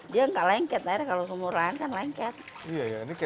dia nggak lengket kalau sumur lain kan lengket